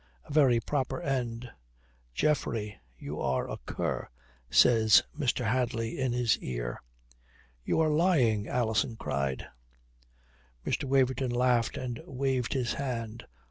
A very proper end." "Geoffrey, you are a cur," says Mr. Hadley in his ear. "You are lying," Alison cried. Mr. Waverton laughed and waved his hand.